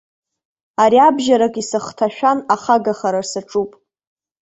Ари абжьарак исыхҭашәан, ахагахара саҿуп.